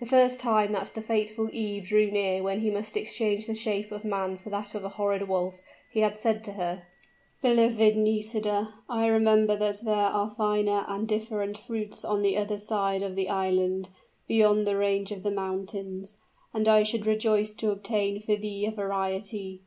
The first time that the fatal eve drew near when he must exchange the shape of man for that of a horrid wolf, he had said to her, "Beloved Nisida, I remember that there are finer and different fruits on the other side of the island, beyond the range of mountains; and I should rejoice to obtain for thee a variety.